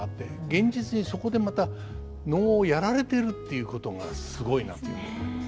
現実にそこでまた能をやられてるっていうことがすごいなと思いますね。